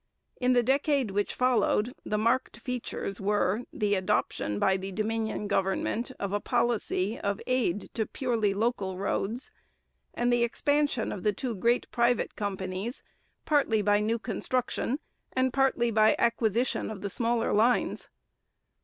In the decade which followed, the marked features were: the adoption by the Dominion government of a policy of aid to purely local roads, and the expansion of the two great private companies, partly by new construction and partly by acquisition of the smaller lines.